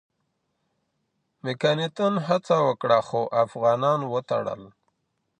مکناتن هڅه وکړه، خو افغانان وتړل.